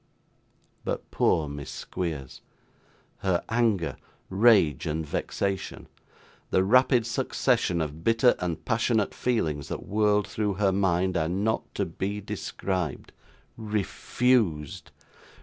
But poor Miss Squeers! Her anger, rage, and vexation; the rapid succession of bitter and passionate feelings that whirled through her mind; are not to be described. Refused!